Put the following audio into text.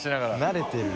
慣れてる。